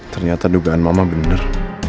ternyata dugaan mama bener